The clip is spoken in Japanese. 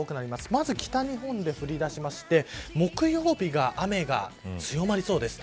まず北日本で降り出して木曜日が、雨が強まりそうです。